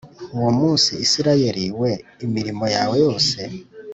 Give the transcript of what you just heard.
Uwo munsi Isirayeli we imirimo yawe yose